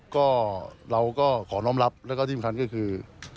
ก็เราก็ขอน้องรับแล้วก็ที่สำคัญก็คือ